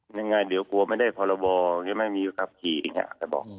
ยังไงเดี๋ยวกลัวไม่ได้พรบจะไม่มีใบขับขี่เองอ่ะ